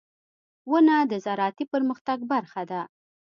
• ونه د زراعتي پرمختګ برخه ده.